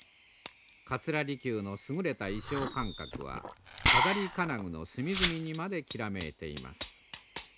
桂離宮の優れた意匠感覚は飾り金具の隅々にまできらめいています。